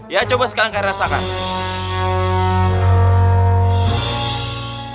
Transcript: ya coba sekarang kayak rasakan